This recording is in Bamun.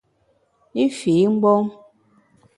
I fii mgbom.